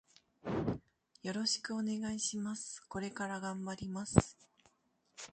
よろしくお願いします。これから頑張ります。